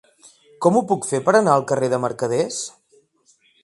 Com ho puc fer per anar al carrer de Mercaders?